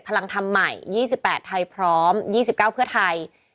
พลังธรรมใหม่๒๘ไทยพร้อม๒๙เพื่อไทย